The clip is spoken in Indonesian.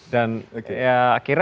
dan ya akhirnya setelah itu